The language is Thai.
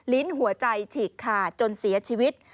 หัวใจฉีกขาดจนเสียชีวิต